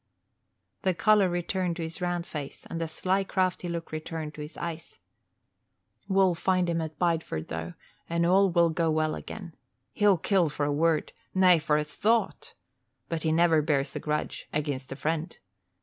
The colour returned to his round face and the sly, crafty look returned to his eyes. "We'll find him at Bideford, though, and all will go well again. He'll kill for a word nay, for a thought! But he never bears a grudge against a friend.